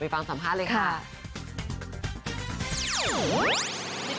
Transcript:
ฟังสัมภาษณ์เลยค่ะ